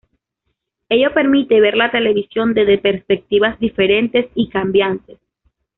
Ello permite ver la televisión desde perspectivas diferentes y cambiantes.